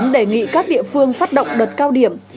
đề nghị các địa phương phát động đợt cao điểm